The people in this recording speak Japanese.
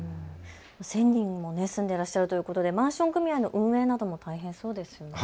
１０００人も住んでいらっしゃるということでマンション組合の運営なども大変そうですよね。